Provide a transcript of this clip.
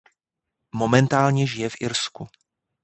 Momentálně žije v Irsku.